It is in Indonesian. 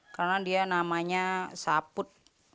karena dia namanya saput